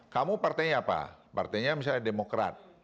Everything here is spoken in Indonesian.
kamu partainya apa partainya misalnya demokrat